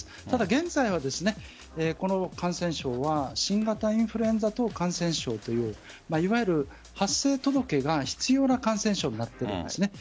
ただ、現在はこの感染症は新型インフルエンザ等感染症といういわゆる発生届が必要な感染症になっているんです。